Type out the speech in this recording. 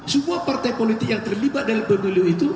semua partai politik yang terlibat dalam pemilu itu